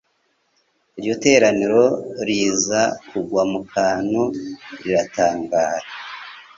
Iryo teraniro riza kugwa mu kantu riratangara